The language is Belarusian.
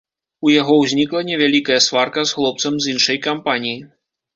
У яго ўзнікла невялікая сварка з хлопцам з іншай кампаніі.